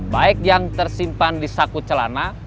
baik yang tersimpan di saku celana